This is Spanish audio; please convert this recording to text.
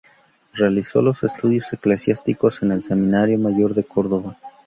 Realizó los estudios eclesiásticos en el Seminario Mayor de Córdoba.